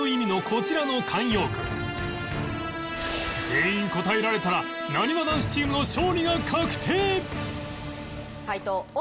全員答えられたらなにわ男子チームの勝利が確定解答オープン！